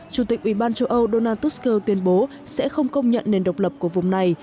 chủ tịch ub châu âu donald tusk tuyên bố sẽ không công nhận nền độc lập của vùng này